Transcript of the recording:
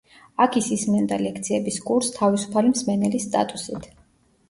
აქ ის ისმენდა ლექციების კურსს თავისუფალი მსმენელის სტატუსით.